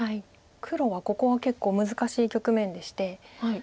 黒はここは結構難しい局面でして。